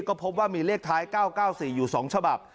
ก็พบว่ามีเลขท้าย๙๙๔อยู่๒ฉบับ